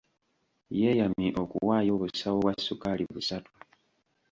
Yeeyamye okuwaayo obusawo bwa ssukaali busatu.